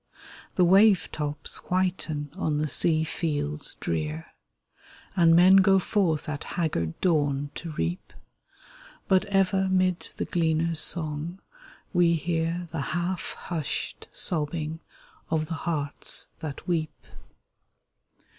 The wave tops whiten on the sea fields drear, And men go forth at haggard dawn to reap; But ever 'mid the gleaners' song we hear The half hushed sobbing of the hearts that weep.